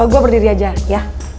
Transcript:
gue berdiri aja ya